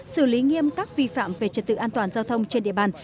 xử lý nghiêm các vi phạm về trật tự an toàn giao thông trên địa bàn